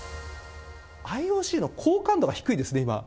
ＩＯＣの好感度が低いですね、今。